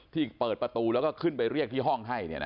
ที่เปิดประตูแล้วก็ขึ้นไปเรียกที่ห้องให้